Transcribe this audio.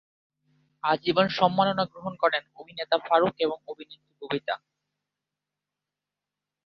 আজীবন সম্মাননা গ্রহণ করেন অভিনেতা ফারুক এবং অভিনেত্রী ববিতা।